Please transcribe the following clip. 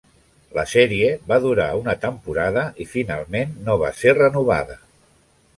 La sèrie va durar una temporada i finalment no va ser renovada.